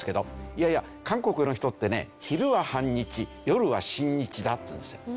「いやいや韓国の人ってね昼は反日夜は親日だ」って言うんですよ。